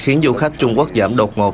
khiến du khách trung quốc giảm đột ngột